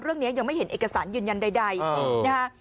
เรื่องนี้ยังไม่เห็นเอกสารยืนยันใดนะฮะ